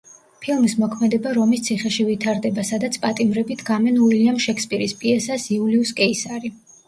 ფილმის მოქმედება რომის ციხეში ვითარდება, სადაც პატიმრები დგამენ უილიამ შექსპირის პიესას „იულიუს კეისარი“.